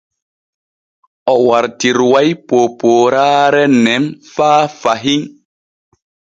O wartiruway poopooraare nen faa fahin.